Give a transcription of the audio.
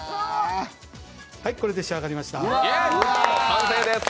これで仕上がりました。